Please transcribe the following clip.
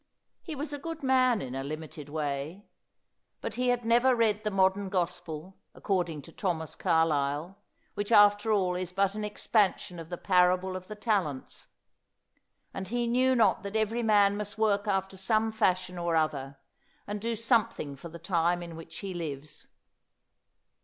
He was a good man in a limited way. But he had never read the modern gospel, according to Thomas Carlyle, which after all is but an expansion of the Parable of the Talents : and he knew not that every man must work after some fashion or other, and do something for the time in which he lives.